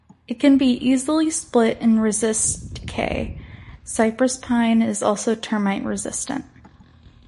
It can be easily split and resists decay; cypress-pine is also termite resistant.